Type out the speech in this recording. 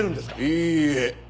いいえ。